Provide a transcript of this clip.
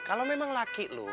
kalau memang laki lu